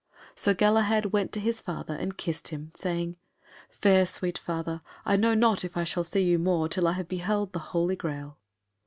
So Galahad went to his father and kissed him, saying, "Fair sweet father, I know not if I shall see you more till I have beheld the Holy Graal."